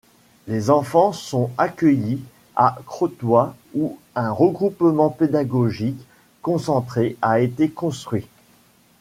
Les enfants sont accueillis au Crotoy où un regroupement pédagogique concentré a été construit.